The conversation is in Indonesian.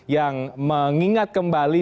yang mengingat kembali